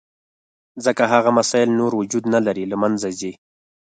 ځکه هغه مسایل نور وجود نه لري، له منځه ځي.